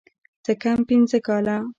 څه کم پينځه کاله.